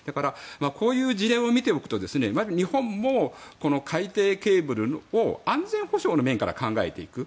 こういう事例を見ておくと日本も海底ケーブルを安全保障の面から考えていく。